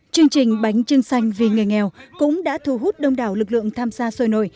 chương trình bánh trưng xanh vì người nghèo cũng đã thu hút đông đảo lực lượng tham gia sôi nổi